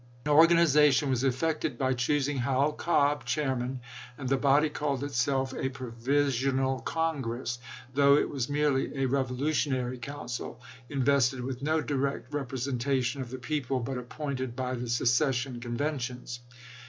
An organization was effected by choosing Howell Cobb chairman, and the body called itself a Provisional Congress, though it was merely a revolutionary council, in vested with no direct representation of the people, but appointed by the secession conventions.